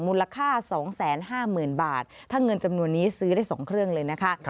มูลค่า๒๕๐๐๐บาทถ้าเงินจำนวนนี้ซื้อได้๒เครื่องเลยนะคะ